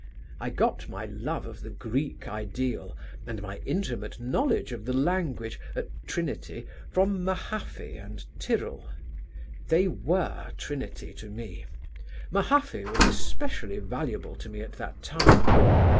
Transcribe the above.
I got my love of the Greek ideal and my intimate knowledge of the language at Trinity from Mahaffy and Tyrrell; they were Trinity to me; Mahaffy was especially valuable to me at that time.